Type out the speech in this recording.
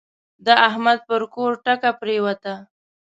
د احمد پر کور ټکه پرېوته.